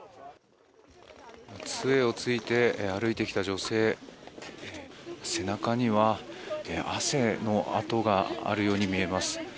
杖を突いて歩いてきた女性背中には汗の跡があるように見えます。